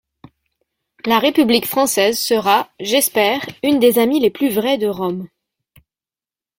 La république française sera, j'espère, une des amies les plus vraies de Rome.